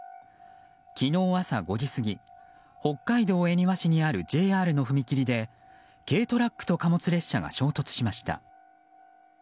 昨日朝５時過ぎ北海道恵庭市にあるＪＲの踏切で軽トラックと貨物列車が衝突しました。